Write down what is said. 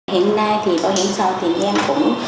hiện nay thì bảo hiểm xã hội thì em cũng